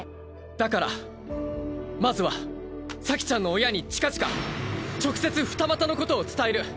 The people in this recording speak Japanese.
だからまずは咲ちゃんの親に近々直接二股のことを伝える。